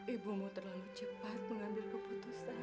ibumu terlalu cepat mengambil keputusan